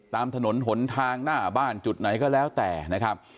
ตามถนนหนทางหน้าบ้านจุดไหนก็แล้วแต่นะครับ